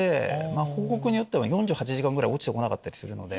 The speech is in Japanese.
報告によっては４８時間ぐらい落ちてこなかったりするので。